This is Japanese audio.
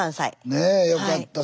ねえよかった。